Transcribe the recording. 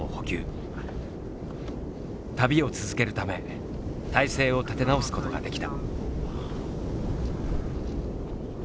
旅を続けるため態勢を立て直すことができた。